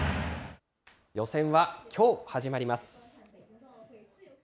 予選はきょう始まります。